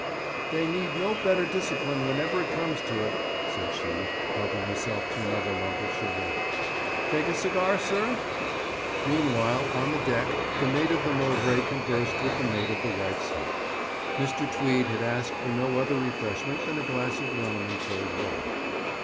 'They need no better discipline whenever it comes to it,' said she, helping herself to another lump of sugar. 'Take a cigar, sir?' Meanwhile, on deck the mate of the Mowbray conversed with the mate of the Wife's Hope. Mr. Tweed had asked for no other refreshment than a glass of rum and cold water.